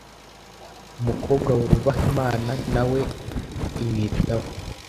Umukobwa wubaha Imana nawe imwitaho